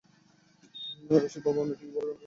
রসিকবাবু, আপনাকে কী বলে ধন্যবাদ জানাব?